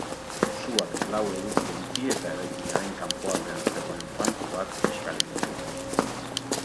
Suak lau edukiontzi eta eraikinaren kanpoaldean zegoen banku bat kiskali ditu.